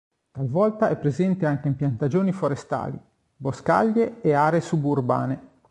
Talvolta è presente anche in piantagioni forestali, boscaglie e aree suburbane.